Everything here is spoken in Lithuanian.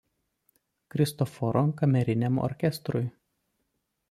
Kristoforo kameriniam orkestrui.